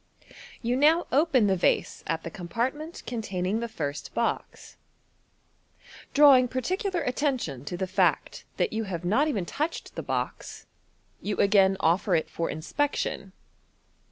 You now open the vase at the compartment containing the first box. Drawing particular attention to the fact that you have MODERN MAGIC. 227 oot even touched the box, you again offer it for inspection.